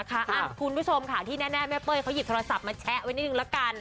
คุณผู้ชมค่ะที่แน่แม่เป้ยเขาหยิบโทรศัพท์มาแชะไว้นิดนึงละกัน